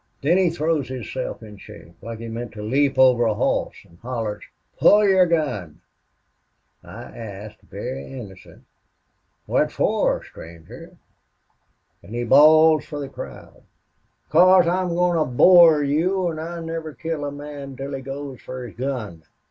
"Then he throws hisself in shape, like he meant to leap over a hoss, an' hollers, 'Pull yer gun!' "I asks, very innocent, 'What for, mister?' "An' he bawls fer the crowd. ''Cause I'm a goin' to bore you, an' I never kill a man till he goes fer his gun.